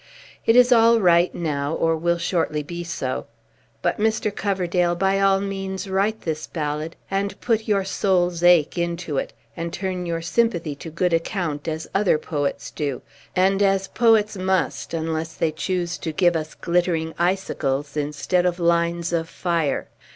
It is all right, now, or will shortly be so. But, Mr. Coverdale, by all means write this ballad, and put your soul's ache into it, and turn your sympathy to good account, as other poets do, and as poets must, unless they choose to give us glittering icicles instead of lines of fire.